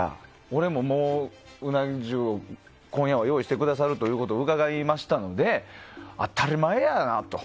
俺も、うな重を今夜は用意してくださるというのを伺いましたので当たり前やなと。